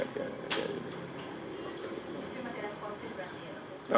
masih responsif berarti ya